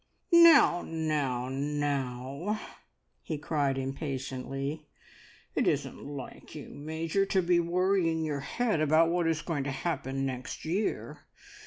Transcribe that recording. "Now now now," he cried impatiently, "it isn't like you, Major, to be worrying your head about what is going to happen next year!